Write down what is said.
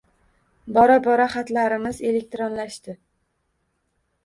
Bora-bora xatlarimiz elektronlashdi